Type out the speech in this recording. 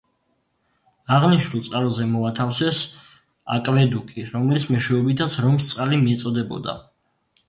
აღნიშნულ წყაროზე მოათავსეს აკვედუკი, რომლის მეშვეობითაც რომს წყალი მიეწოდებოდა.